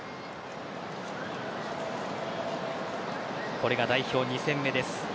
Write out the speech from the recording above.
これが代表２戦目です。